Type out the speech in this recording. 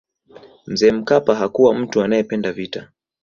mzee mkapa hakuwa mtu anayependa vita